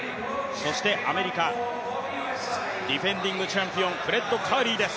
そしてアメリカ、ディフェンディングチャンピオン、フレッド・カーリーです。